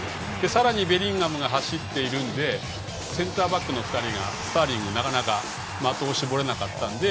さらにベリンガムが走ってるのでセンターバックの２人がスターリングになかなか的を絞れなかったので。